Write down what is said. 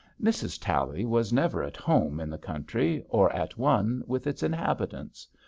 Mrs. Tally was never at home in the country, or at one with its inhabitants.